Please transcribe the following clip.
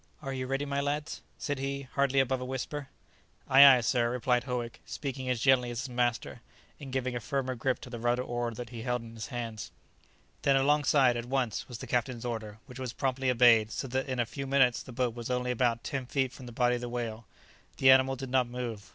"Are you ready, my lads?" said he, hardly above a whisper. "Ay, ay, sir," replied Howick, speaking as gently as his master, and giving a firmer grip to the rudder oar that he held in his hands. "Then, alongside at once," was the captain's order, which was promptly obeyed, so that in a few minutes the boat was only about ten feet from the body of the whale. The animal did not move.